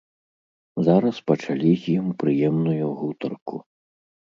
Зараз пачалі з ім прыемную гутарку.